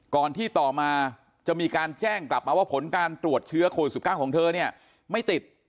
ก่อนที่ต่อมาจะมีการแจ้งกลับมาว่าผลการตรวจเชื้อโควิด๑๙ของเธอเนี่ยไม่ติด